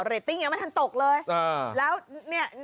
ตติ้งยังไม่ทันตกเลยแล้วเนี่ย